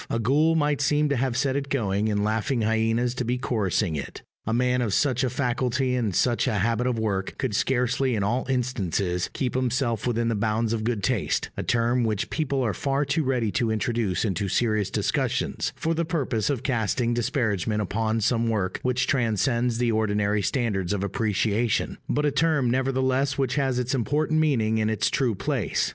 A ghoul might seem to have set it going, and laughing hyenas to be chorusing it. A man of such a faculty and such a habit of work could scarcely, in all instances, keep himself within the bounds of good taste a term which people are far too ready to introduce into serious discussions, for the purpose of casting disparagement upon some work which transcends the ordinary standards of appreciation, but a term nevertheless which has its important meaning and its true place.